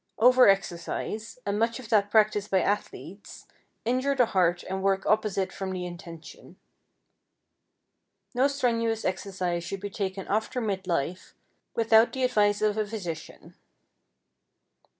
Overexercise, and much of that practiced by athletes, injure the heart and work opposite from the intention. No strenuous exercise should be taken after mid life without the advice of a physician.